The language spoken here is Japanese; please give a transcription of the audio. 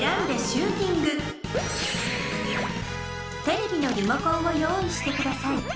テレビのリモコンを用意してください。